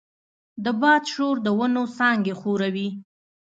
د باد شور د ونو څانګې ښوروي.